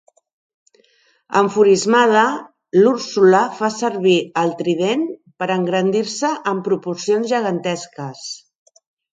Enfurismada, l'Úrsula fa servir el trident per engrandir-se en proporcions gegantesques.